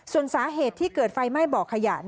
ส่วนสาเหตุที่เกิดไฟไหม้บ่อขยะ